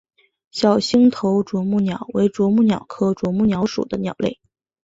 小星头啄木鸟为啄木鸟科啄木鸟属的鸟类。